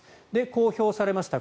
公表されました